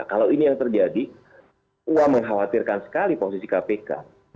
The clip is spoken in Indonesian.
kalau ini yang terjadi wah mengkhawatirkan sekali posisi kpk